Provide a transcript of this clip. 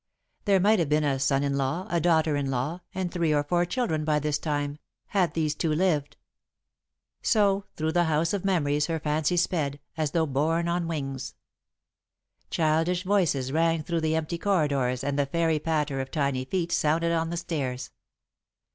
There might have been a son in law, a daughter in law, and three or four children by this time, had these two lived. [Sidenote: The House of Memories] So, through the House of Memories her fancy sped, as though borne on wings. Childish voices rang through the empty corridors and the fairy patter of tiny feet sounded on the stairs.